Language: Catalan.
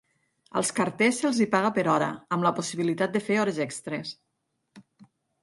Als carters se'ls hi paga per hora amb la possibilitat de fer hores extres.